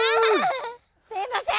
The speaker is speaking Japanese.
すみません！